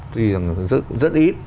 tuy rằng rất ít